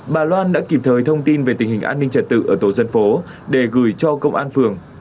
bà loan đã kịp thời thông tin về tình hình an ninh trật tự ở tổ dân phố để gửi cho công an phường